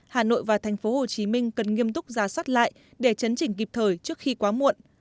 hà nội và tp hcm cần nghiêm túc giá soát lại để chấn chỉnh kịp thời trước khi quá muộn